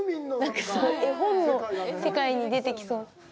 絵本の世界に出てきそうな。